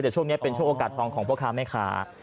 แต่ช่วงนี้เป็นช่วงโอกาสทองของพ่อค้าแม่ค้า